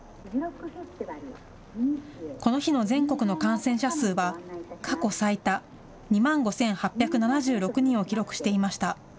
この日の全国の感染者数は、過去最多２万５８７６人を記録していました。